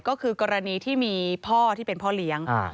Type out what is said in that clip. ก็คือกรณีที่มีพ่อที่เป็นพ่อเลี้ยง